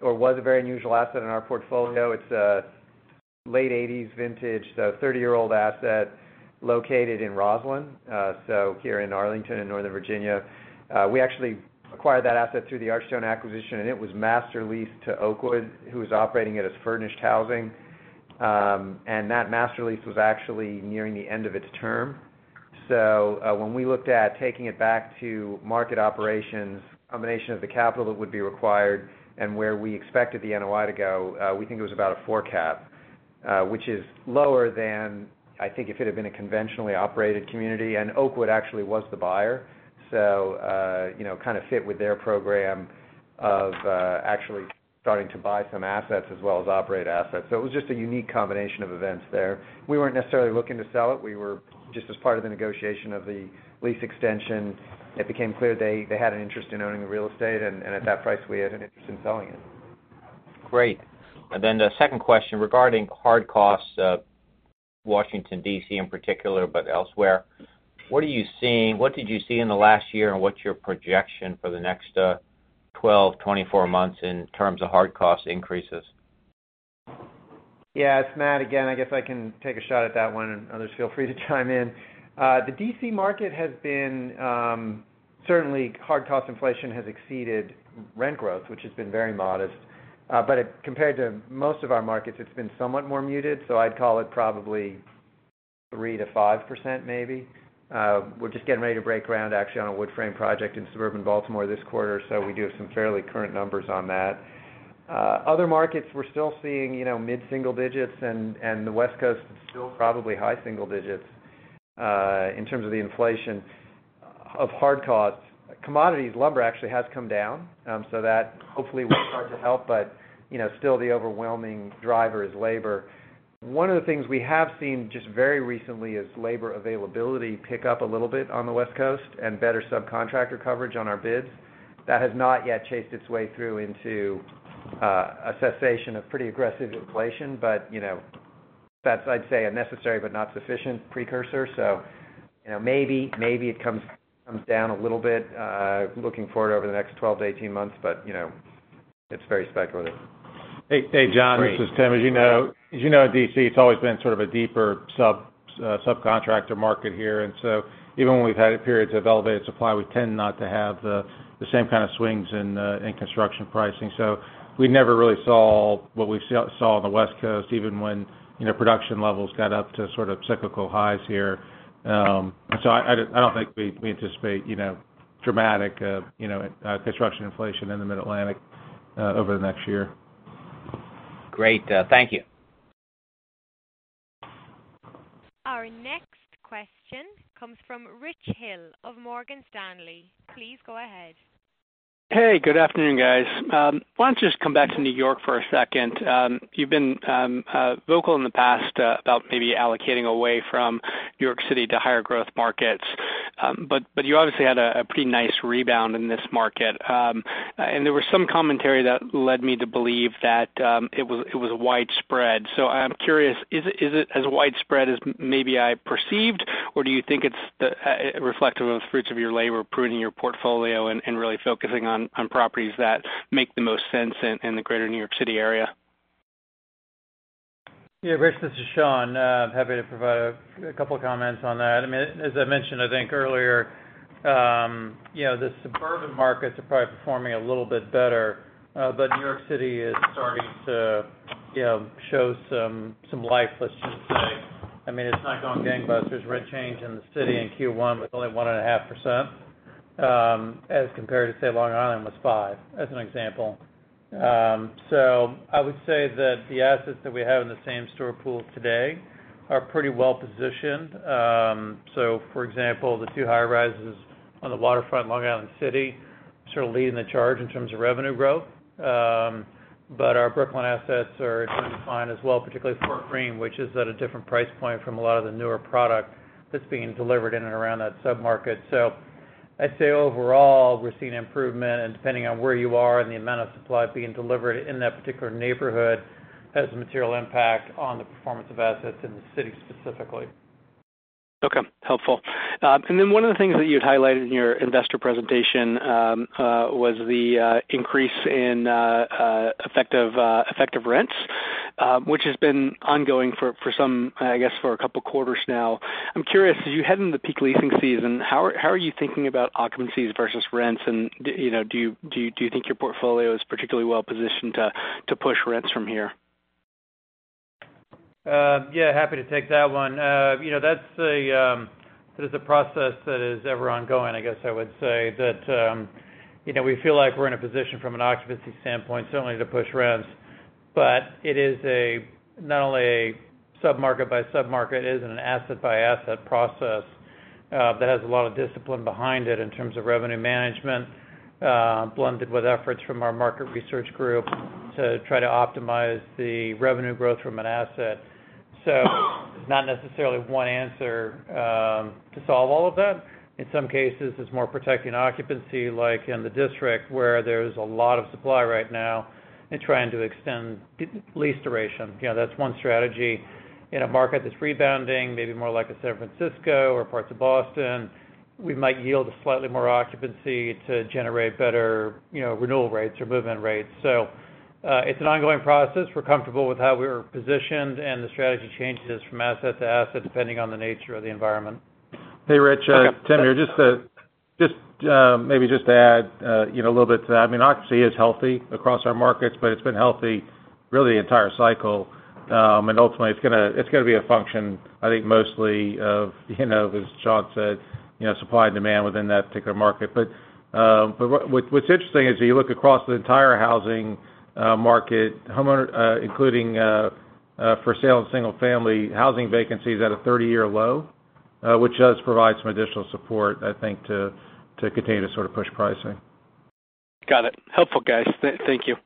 or was a very unusual asset in our portfolio. It's a late '80s vintage, so 30-year-old asset located in Rosslyn, so here in Arlington in Northern Virginia. We actually acquired that asset through the Archstone acquisition, and it was master leased to Oakwood, who was operating it as furnished housing. That master lease was actually nearing the end of its term. When we looked at taking it back to market operations, a combination of the capital that would be required and where we expected the NOI to go, we think it was about a 4 cap, which is lower than, I think, if it had been a conventionally operated community. Oakwood actually was the buyer, so kind of fit with their program of actually starting to buy some assets as well as operate assets. It was just a unique combination of events there. We weren't necessarily looking to sell it. We were just as part of the negotiation of the lease extension, it became clear they had an interest in owning the real estate, and at that price, we had an interest in selling it. Great. Then the second question regarding hard costs, Washington, D.C. in particular, but elsewhere, what did you see in the last year, and what's your projection for the next 12, 24 months in terms of hard cost increases? Yeah, it's Matt again. I guess I can take a shot at that one, and others feel free to chime in. The D.C. market has been, certainly hard cost inflation has exceeded rent growth, which has been very modest. Compared to most of our markets, it's been somewhat more muted, so I'd call it probably 3%-5%, maybe. We're just getting ready to break ground actually on a wood frame project in suburban Baltimore this quarter, so we do have some fairly current numbers on that. Other markets we're still seeing mid-single digits and the West Coast is still probably high single digits in terms of the inflation of hard costs. Commodities, lumber actually has come down, so that hopefully will start to help, but still the overwhelming driver is labor. One of the things we have seen just very recently is labor availability pick up a little bit on the West Coast and better subcontractor coverage on our bids. That has not yet chased its way through into a cessation of pretty aggressive inflation, but that's, I'd say, a necessary but not sufficient precursor. Maybe it comes down a little bit looking forward over the next 12 to 18 months, but it's very speculative. Hey, John. This is Tim. As you know, D.C., it's always been sort of a deeper subcontractor market here, even when we've had periods of elevated supply, we tend not to have the same kind of swings in construction pricing. We never really saw what we saw on the West Coast, even when production levels got up to sort of cyclical highs here. I don't think we anticipate dramatic construction inflation in the Mid-Atlantic over the next year. Great. Thank you. Our next question comes from Richard Hill of Morgan Stanley. Please go ahead. Hey, good afternoon, guys. Why don't you just come back to New York for a second. You've been vocal in the past about maybe allocating away from New York City to higher growth markets. You obviously had a pretty nice rebound in this market. There was some commentary that led me to believe that it was widespread. I'm curious, is it as widespread as maybe I perceived, or do you think it's reflective of the fruits of your labor, pruning your portfolio, and really focusing on properties that make the most sense in the greater New York City area? Yeah, Rich, this is Sean. I'm happy to provide a couple of comments on that. As I mentioned, I think earlier, the suburban markets are probably performing a little bit better. New York City is starting to show some life, let's just say. It's not going gangbusters. Rent change in the city in Q1 was only 1.5%, as compared to, say, Long Island was 5%, as an example. I would say that the assets that we have in the same-store pool today are pretty well-positioned. For example, the two high-rises on the waterfront in Long Island City, sort of leading the charge in terms of revenue growth. Our Brooklyn assets are doing fine as well, particularly Fort Greene, which is at a different price point from a lot of the newer product that's being delivered in and around that sub-market. I'd say overall, we're seeing improvement, and depending on where you are, and the amount of supply being delivered in that particular neighborhood has a material impact on the performance of assets in the city specifically. Okay. Helpful. One of the things that you had highlighted in your investor presentation, was the increase in effective rents, which has been ongoing for, I guess, a couple of quarters now. I'm curious, as you head into the peak leasing season, how are you thinking about occupancies versus rents? Do you think your portfolio is particularly well-positioned to push rents from here? Yeah, happy to take that one. That's a process that is ever ongoing, I guess I would say. That we feel like we're in a position from an occupancy standpoint, certainly to push rents. It is not only a sub-market-by-sub-market, it is an asset-by-asset process, that has a lot of discipline behind it in terms of revenue management, blended with efforts from our market research group to try to optimize the revenue growth from an asset. It's not necessarily one answer to solve all of that. In some cases, it's more protecting occupancy, like in the District, where there's a lot of supply right now, and trying to extend lease duration. That's one strategy. In a market that's rebounding, maybe more like a San Francisco or parts of Boston, we might yield slightly more occupancy to generate better renewal rates or movement rates. It's an ongoing process. We're comfortable with how we're positioned and the strategy changes from asset to asset, depending on the nature of the environment. Hey, Rich, Tim here. Just maybe just to add a little bit to that. Occupancy is healthy across our markets, but it's been healthy really the entire cycle. Ultimately, it's going to be a function, I think, mostly of, as Sean said, supply and demand within that particular market. What's interesting is you look across the entire housing market, including for sale and single-family, housing vacancy is at a 30-year low, which does provide some additional support, I think, to continue to sort of push pricing. Got it. Helpful, guys. Thank you.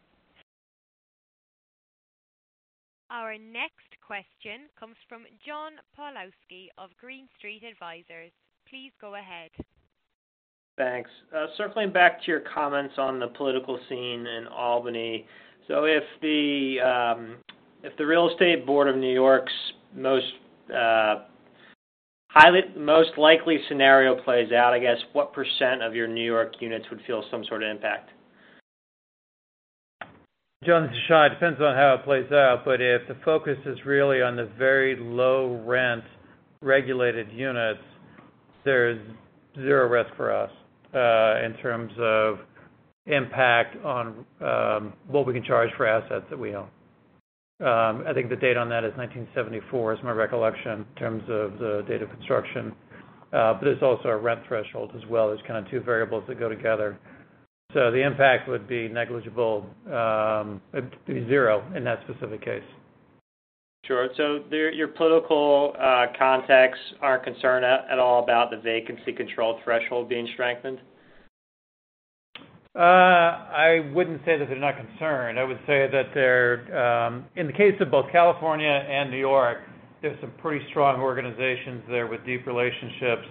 Our next question comes from John Pawlowski of Green Street Advisors. Please go ahead. Thanks. Circling back to your comments on the political scene in Albany. If the Real Estate Board of New York's most likely scenario plays out, I guess, what % of your New York units would feel some sort of impact? John, this is Sean. It depends on how it plays out, if the focus is really on the very low rent regulated units, there's zero risk for us, in terms of impact on what we can charge for assets that we own. I think the date on that is 1974, is my recollection, in terms of the date of construction. There's also a rent threshold as well. There's kind of two variables that go together. The impact would be negligible. It'd be zero in that specific case. Sure. Your political contacts aren't concerned at all about the vacancy control threshold being strengthened? I wouldn't say that they're not concerned. I would say that, in the case of both California and New York, there's some pretty strong organizations there with deep relationships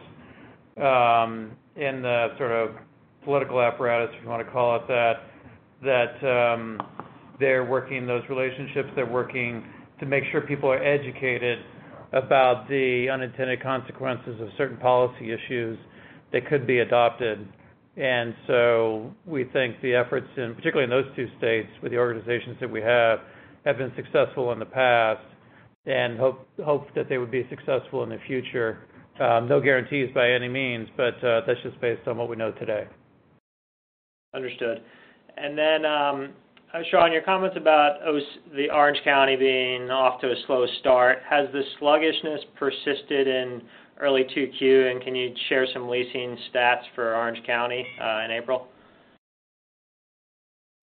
in the sort of political apparatus, if you want to call it that they're working those relationships. They're working to make sure people are educated about the unintended consequences of certain policy issues that could be adopted. So we think the efforts, particularly in those two states with the organizations that we have been successful in the past, and hope that they would be successful in the future. No guarantees by any means, that's just based on what we know today. Understood. Sean, your comments about the Orange County being off to a slow start, has the sluggishness persisted in early 2Q, and can you share some leasing stats for Orange County in April?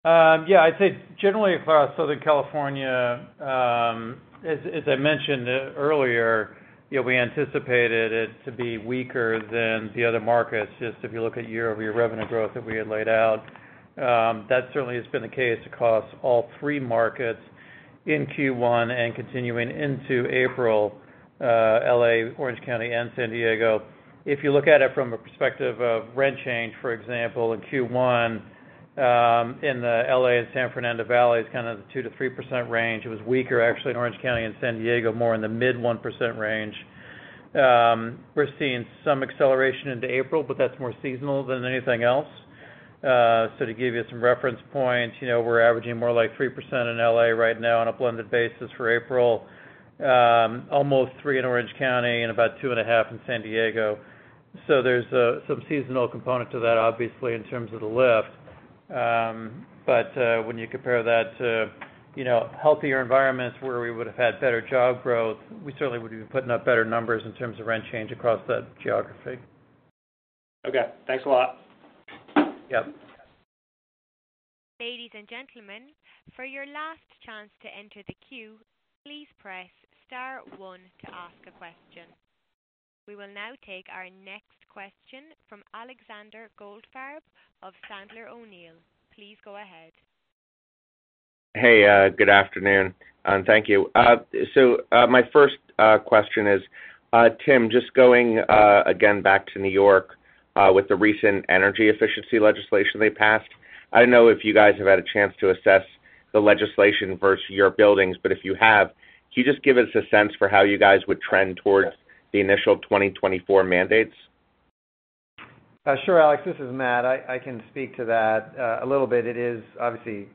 Yeah, I'd say generally across Southern California, as I mentioned earlier, we anticipated it to be weaker than the other markets. Just if you look at year-over-year revenue growth that we had laid out, that certainly has been the case across all three markets in Q1 and continuing into April, L.A., Orange County, and San Diego. If you look at it from a perspective of rent change, for example, in Q1, in the L.A. and San Fernando Valley, it's kind of the 2%-3% range. It was weaker, actually, in Orange County and San Diego, more in the mid 1% range. We're seeing some acceleration into April, but that's more seasonal than anything else. To give you some reference points, we're averaging more like 3% in L.A. right now on a blended basis for April. Almost 3% in Orange County and about 2.5% in San Diego. There's some seasonal component to that, obviously, in terms of the lift. When you compare that to healthier environments where we would have had better job growth, we certainly would be putting up better numbers in terms of rent change across that geography. Okay. Thanks a lot. Yeah. Ladies and gentlemen, for your last chance to enter the queue, please press *1 to ask a question. We will now take our next question from Alexander Goldfarb of Sandler O'Neill. Please go ahead. Hey, good afternoon, and thank you. My first question is, Tim, just going again back to New York with the recent energy efficiency legislation they passed. I don't know if you guys have had a chance to assess the legislation versus your buildings, but if you have, can you just give us a sense for how you guys would trend towards the initial 2024 mandates? Sure, Alex. This is Matt. I can speak to that a little bit. It is obviously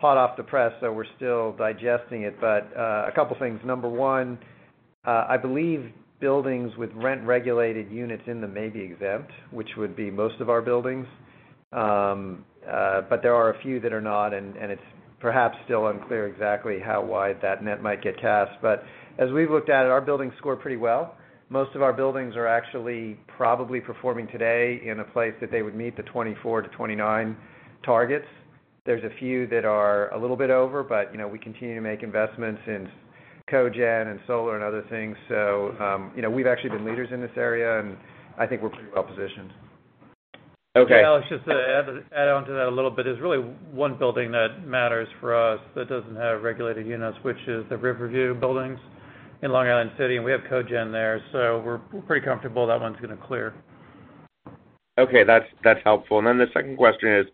hot off the press, we're still digesting it. A couple things. Number one, I believe buildings with rent-regulated units in them may be exempt, which would be most of our buildings. There are a few that are not, and it's perhaps still unclear exactly how wide that net might get cast. As we've looked at it, our buildings score pretty well. Most of our buildings are actually probably performing today in a place that they would meet the 2024-2029 targets. There's a few that are a little bit over, but we continue to make investments in cogen and solar and other things. We've actually been leaders in this area, and I think we're pretty well-positioned. Okay. Alex, just to add on to that a little bit. There's really one building that matters for us that doesn't have regulated units, which is the Riverview buildings in Long Island City, and we have cogen there, so we're pretty comfortable that one's going to clear. Okay. That's helpful. The second question is,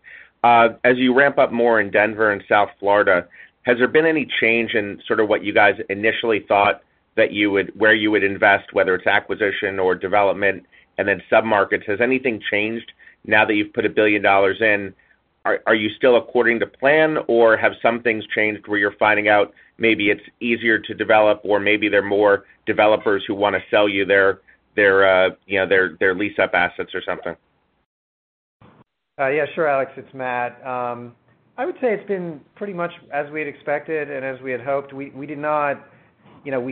as you ramp up more in Denver and South Florida, has there been any change in sort of what you guys initially thought where you would invest, whether it's acquisition or development and then sub-markets? Has anything changed now that you've put $1 billion in? Are you still according to plan, or have some things changed where you're finding out maybe it's easier to develop or maybe there are more developers who want to sell you their lease-up assets or something? Yeah, sure, Alex. It's Matt. I would say it's been pretty much as we had expected and as we had hoped. We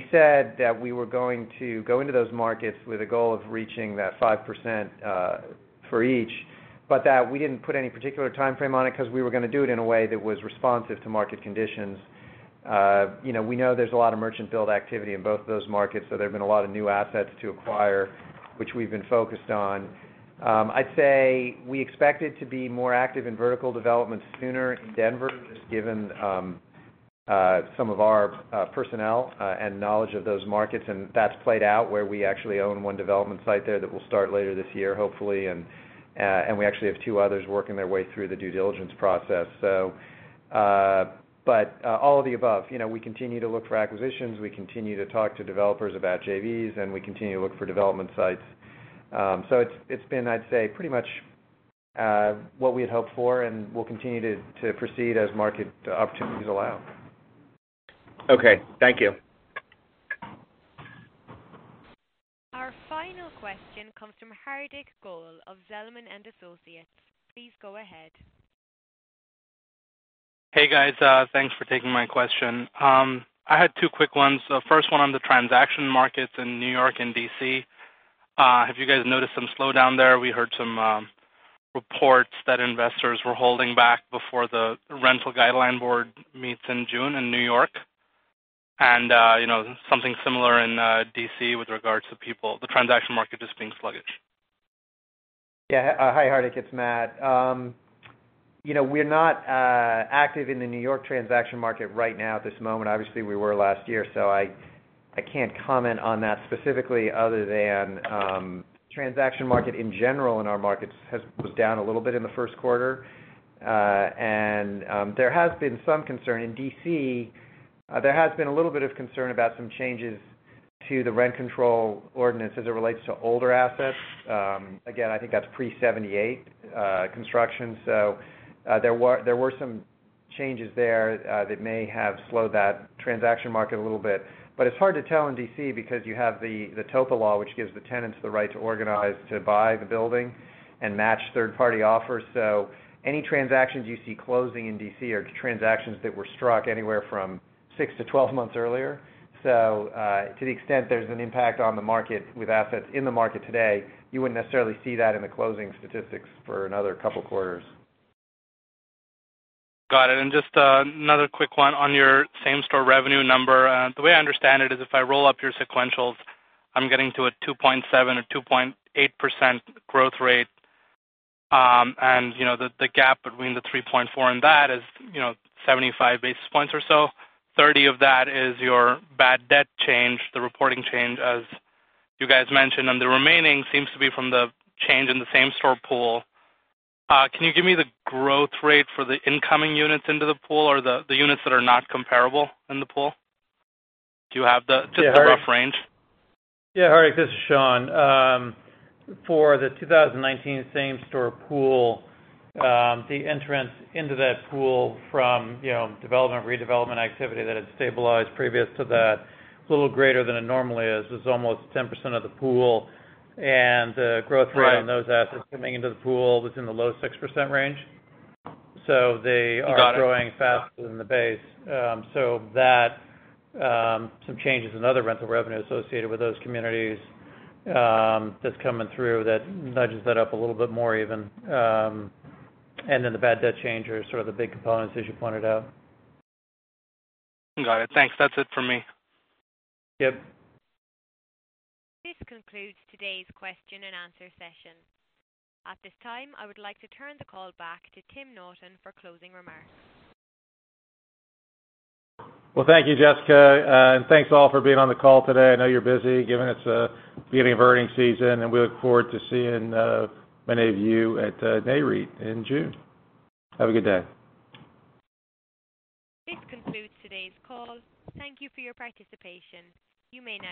said that we were going to go into those markets with a goal of reaching that 5% for each, but that we didn't put any particular timeframe on it because we were going to do it in a way that was responsive to market conditions. We know there's a lot of merchant build activity in both of those markets, so there's been a lot of new assets to acquire, which we've been focused on. I'd say we expected to be more active in vertical development sooner in Denver, just given some of our personnel and knowledge of those markets, and that's played out where we actually own one development site there that will start later this year, hopefully, and we actually have two others working their way through the due diligence process. All of the above. We continue to look for acquisitions, we continue to talk to developers about JVs, and we continue to look for development sites. It's been, I'd say, pretty much what we had hoped for, and we'll continue to proceed as market opportunities allow. Okay. Thank you. Our final question comes from Hardik Goel of Zelman & Associates. Please go ahead. Hey, guys. Thanks for taking my question. I had two quick ones. The first one on the transaction markets in New York and D.C. Have you guys noticed some slowdown there? We heard some reports that investors were holding back before the Rent Guidelines Board meets in June in New York. Something similar in D.C. with regards to people, the transaction market just being sluggish. Yeah. Hi, Hardik. It's Matt. We're not active in the New York transaction market right now at this moment. Obviously, we were last year, I can't comment on that specifically other than transaction market in general in our markets was down a little bit in the first quarter. There has been some concern in D.C. There has been a little bit of concern about some changes to the rent control ordinance as it relates to older assets. Again, I think that's pre-'78 construction. There were some changes there that may have slowed that transaction market a little bit. It's hard to tell in D.C. because you have the TOPA law, which gives the tenants the right to organize to buy the building and match third-party offers. Any transactions you see closing in D.C. are transactions that were struck anywhere from 6 to 12 months earlier. To the extent there's an impact on the market with assets in the market today, you wouldn't necessarily see that in the closing statistics for another couple of quarters. Got it. Just another quick one on your same-store revenue number. The way I understand it is if I roll up your sequentials, I'm getting to a 2.7% or 2.8% growth rate. The gap between the 3.4% and that is 75 basis points or so. 30 of that is your bad debt change, the reporting change, as you guys mentioned, and the remaining seems to be from the change in the same-store pool. Can you give me the growth rate for the incoming units into the pool or the units that are not comparable in the pool? Do you have just a rough range? Hardik, this is Sean. For the 2019 same-store pool, the entrants into that pool from development, redevelopment activity that had stabilized previous to that, a little greater than it normally is. It's almost 10% of the pool. The growth rate- Right on those assets coming into the pool was in the low 6% range. They are- Got it That, some changes in other rental revenue associated with those communities that's coming through, that nudges that up a little bit more even. The bad debt change are sort of the big components as you pointed out. Got it. Thanks. That's it from me. Yep. This concludes today's question and answer session. At this time, I would like to turn the call back to Timothy Naughton for closing remarks. Well, thank you, Jessica. Thanks all for being on the call today. I know you're busy, given it's the beginning of earnings season, and we look forward to seeing many of you at Nareit in June. Have a good day. This concludes today's call. Thank you for your participation. You may now disconnect.